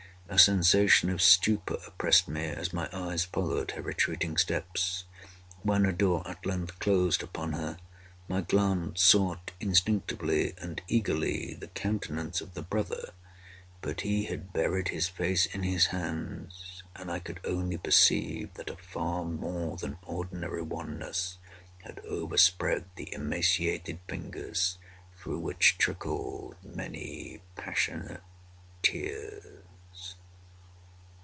A sensation of stupor oppressed me, as my eyes followed her retreating steps. When a door, at length, closed upon her, my glance sought instinctively and eagerly the countenance of the brother—but he had buried his face in his hands, and I could only perceive that a far more than ordinary wanness had overspread the emaciated fingers through which trickled many passionate tears.